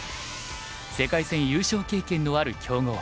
世界戦優勝経験のある強豪。